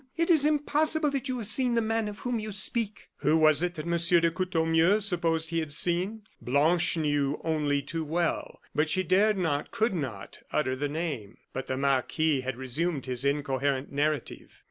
It is impossible that you have seen the man of whom you speak." Who it was that M. de Courtornieu supposed he had seen, Blanche knew only too well; but she dared not, could not, utter the name. But the marquis had resumed his incoherent narrative.